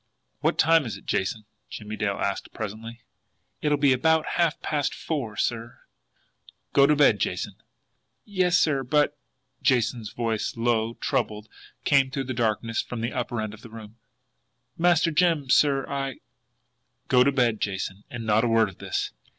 "What time is it, Jason?" Jimmie Dale asked presently. "It'll be about half past four, sir." "Go to bed, Jason." "Yes, sir; but" Jason's voice, low, troubled, came through the darkness from the upper end of the room "Master Jim, sir, I " "Go to bed, Jason and not a word of this."